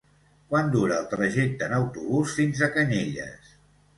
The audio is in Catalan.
Quant dura el trajecte en autobús fins a Canyelles?